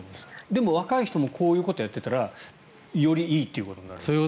でも若い人もこういうことをやっていたらよりいいということになるんですね。